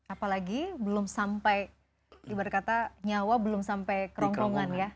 apalagi belum sampai ibarat kata nyawa belum sampai kerongkongan ya